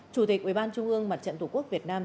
chủ tịch ủy ban trung ương mặt trận tq việt nam